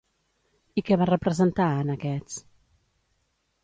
I què va representar, en aquests?